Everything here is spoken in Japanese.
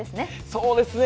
そうですね。